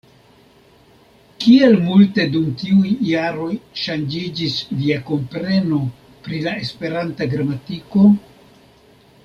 Kiel multe dum tiuj jaroj ŝanĝiĝis via kompreno pri la Esperanta gramatiko?